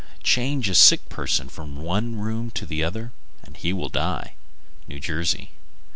Change a sick person from one room to another, and he will die. _New Jersey.